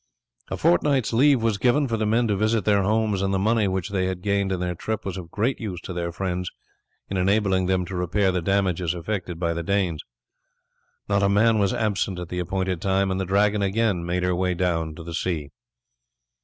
A fortnight's leave was given, for the men to visit their homes, and the money which they had gained in their trip was of great use to their friends in enabling them to repair the damages effected by the Danes. Not a man was absent at the appointed time, and the Dragon again made her way down to the sea.